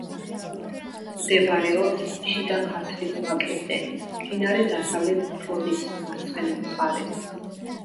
მდებარეობს შიდა ქართლის ვაკეზე, მდინარე დასავლეთ ფრონის მარცხენა მხარეს.